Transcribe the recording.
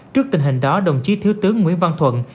trước tình hình đó đồng chí thiếu tướng nguyễn văn thuận